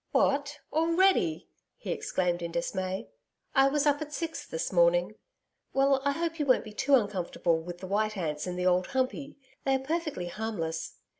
'What! Already!' he exclaimed in dismay. 'I was up at six this morning. Well, I hope you won't be too uncomfortable with the white ants in the Old Humpey they are perfectly harmless.